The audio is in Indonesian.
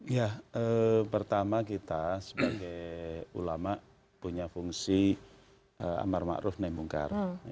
ya pertama kita sebagai ulama punya fungsi amar makruf naibungkar